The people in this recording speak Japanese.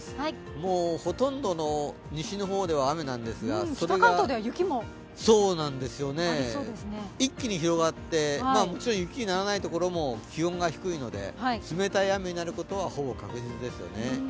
もう、ほとんどの西の方では雨なんですが一気に広がって、もちろん雪にならないところも気温が低いので冷たい雨になることはほぼ確実ですよね。